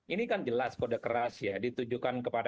ini kan jelas kode keras ya